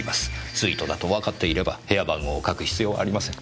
スイートだとわかっていれば部屋番号を書く必要はありません。